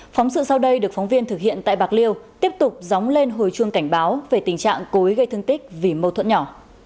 phóng sự sau đây được phóng viên thực hiện tại bạc liêu tiếp tục dóng lên hồi chuông cảnh báo về tình trạng cối gây thương tích vì mâu thuẫn nhỏ